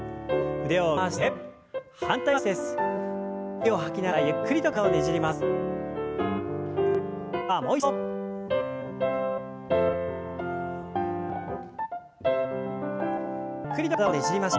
息を吐きながらゆっくりと体をねじります。